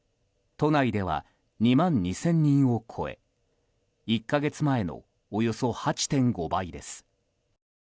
都内では２万２０００人を超え１か月前のおよそ８．５倍です。